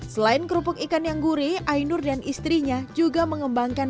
selain kerupuk ikan yang gurih ainur dan istrinya juga mengembangkan